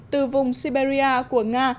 từ vùng siberia của nga